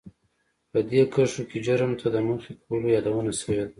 په دې کرښو کې جرم ته د مخې کولو يادونه شوې ده.